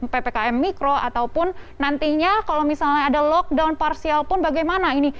ppkm mikro ataupun nantinya kalau misalnya ada lockdown parsial pun bagaimana ini